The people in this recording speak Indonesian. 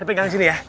sampai kaget sini ya